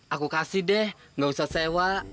aku kasih deh gak usah sewa